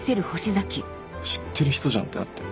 知ってる人じゃんってなって。